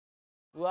うわ！